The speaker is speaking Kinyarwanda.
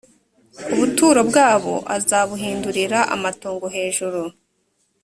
ubuturo bwabo azabuhindurira amatongo hejuru